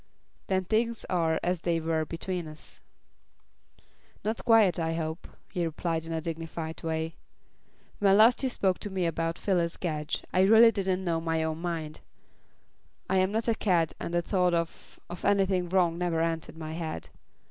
"Then things are as they were between us." "Not quite, I hope," he replied in a dignified way. "When last you spoke to me about Phyllis Gedge, I really didn't know my own mind. I am not a cad and the thought of of anything wrong never entered my head.